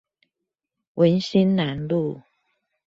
文心南路